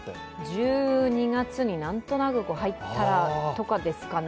１２月になんとなく入ったとかですかね？